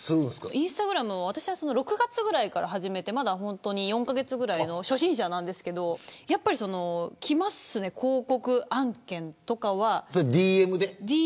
インスタグラムを６月ぐらいから始めてまだ４カ月ぐらいの初心者なんですけどやっぱり、来ますね広告案件とかは。